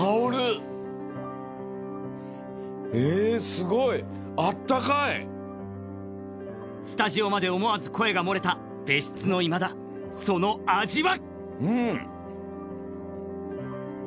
すごい温かいスタジオまで思わず声が漏れた別室の今田その味は？